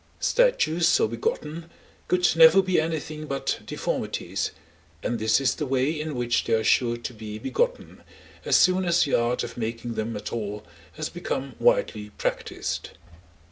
Statues so begotten could never be anything but deformities, and this is the way in which they are sure to be begotten, as soon as the art of making them at all has become widely practised.